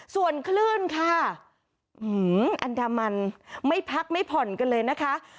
ส่วนคลื่นค่ะอันดามันไม่พักไม่ผ่อนกันเลยนะคะ